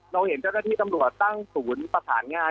เราเห็นเจ้าหน้าที่ตำรวจตั้งศูนย์ประสานงาน